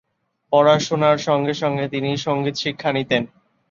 পড়াশুনো সঙ্গে সঙ্গে তিনি সঙ্গীত শিক্ষা নিতেন।